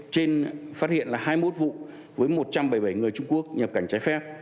trên phát hiện là hai mươi một vụ với một trăm bảy mươi bảy người trung quốc nhập cảnh trái phép